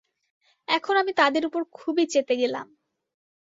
এখন আমি তাদের ওপর খুবই চেতে গেলাম।